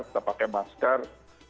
tetap pakai masker